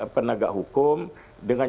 penegak hukum dengan